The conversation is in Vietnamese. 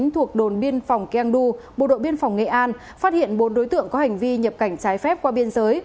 thuộc đồn biên phòng keng du bộ đội biên phòng nghệ an phát hiện bốn đối tượng có hành vi nhập cảnh trái phép qua biên giới